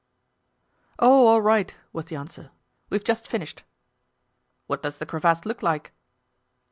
"Oh, all right," was the answer; "we've just finished." "What does the crevasse look like?"